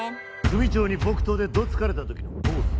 組長に木刀でどつかれた時のポーズ。